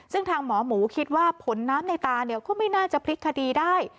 ซึ่งทางหมอหมูคิดว่าผลน้ำในตาเนี่ยก็ไม่น่าจะพลิกคดีได้